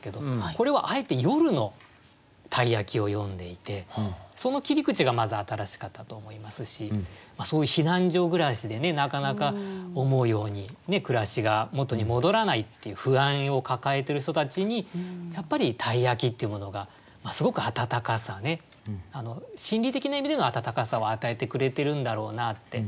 これはあえて夜の鯛焼を詠んでいてその切り口がまず新しかったと思いますしそういう避難所暮らしでねなかなか思うように暮らしが元に戻らないっていう不安を抱えてる人たちにやっぱり鯛焼っていうものがすごく温かさね心理的な意味での温かさを与えてくれてるんだろうなって。